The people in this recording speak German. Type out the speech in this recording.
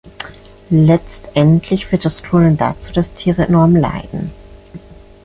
Letztendlich führt das Klonen dazu, dass Tiere enorm leiden.